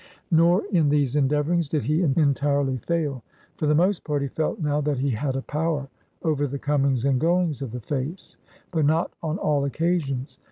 Nor in these endeavorings did he entirely fail. For the most part, he felt now that he had a power over the comings and the goings of the face; but not on all occasions.